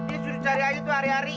dia suruh cari aja tuh hari hari